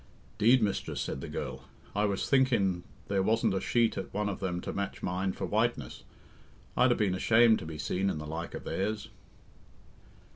"'Deed, mistress," said the girl, "I was thinkin' there wasn't a sheet at one of them to match mine for whiteness. I'd 'a been ashamed to be seen in the like of theirs."